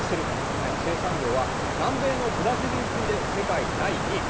今や生産量は南米のブラジルに次いで世界第２位。